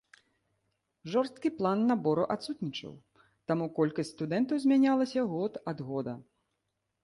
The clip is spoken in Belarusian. Жорсткі план набору адсутнічаў, таму колькасць студэнтаў змянялася год ад года.